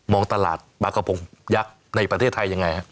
ตลาดปลากระพงยักษ์ในประเทศไทยยังไงฮะ